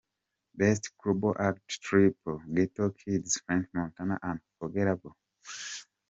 Best Global Act Triplets Ghetto Kids – French Montana – Unforgettable ft.